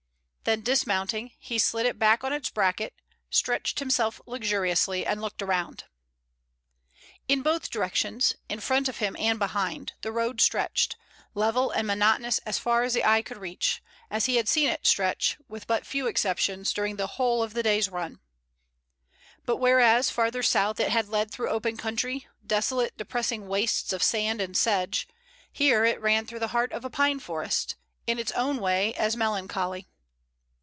Then dismounting, he slid it back on its bracket; stretched himself luxuriously, and looked around. In both directions, in front of him and behind, the road stretched, level and monotonous as far as the eye could reach, as he had seen it stretch, with but few exceptions, during the whole of the day's run. But whereas farther south it had led through open country, desolate, depressing wastes of sand and sedge, here it ran through the heart of a pine forest, in its own way as melancholy.